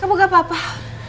kau gak apa apa ri